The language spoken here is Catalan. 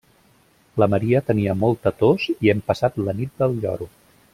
La Maria tenia molta tos i hem passat la nit del lloro.